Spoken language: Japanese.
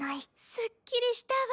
すっきりしたわ。